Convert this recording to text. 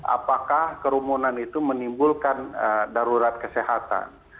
apakah kerumunan itu menimbulkan darurat kesehatan